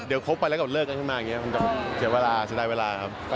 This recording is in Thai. เดี๋ยวเข้าไปแล้วก็เลิกแล้วถึงมาสัญญาณเวลาครับ